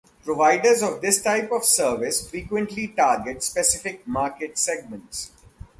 Providers of this type of service frequently target specific market segments.